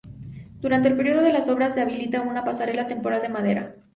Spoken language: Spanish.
Durante el periodo de las obras se habilita una pasarela temporal de madera.